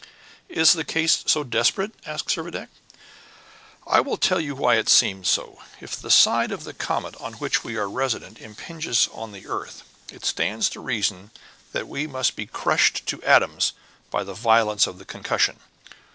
"Is the case so desperate?" asked Servadac. "I will tell you why it seems so. If the side of the comet on which we are resident impinges on the earth, it stands to reason that we must be crushed to atoms by the violence of the concussion."